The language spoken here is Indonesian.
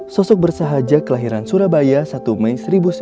sosok bersahaja kelahiran surabaya satu mei seribu sembilan ratus sembilan puluh